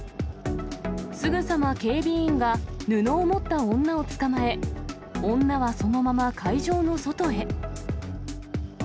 すぐさま警備員が布を持った女を捕まえ、女はそのまま会場の外へ。